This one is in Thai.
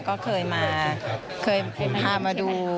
ก็เคยมาเคยพามาดู